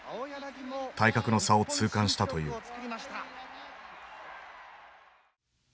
体格の差を痛感したという。